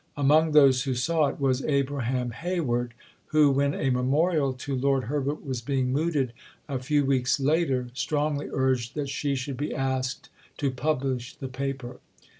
Among those who saw it was Abraham Hayward who, when a memorial to Lord Herbert was being mooted a few weeks later, strongly urged that she should be asked to publish the Paper.